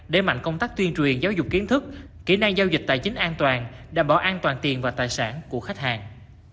để mạnh công tác tuyên truyền giáo dục kiến thức kỹ năng giao dịch tài chính an toàn đảm bảo an toàn tiền và tài sản của khách hàng